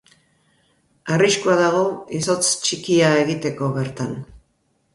Arriskua dago izotz txikia egiteko, bertan.